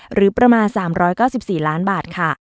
หรือประมาณ๓๙๔ล้านบาทค่ะ